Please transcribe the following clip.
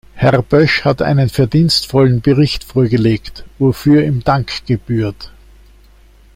Herr Bösch hat einen verdienstvollen Bericht vorgelegt, wofür ihm Dank gebührt.